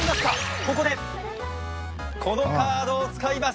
ここでこのカードを使います。